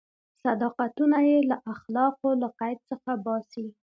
صداقتونه یې له اخلاقو له قید څخه باسي.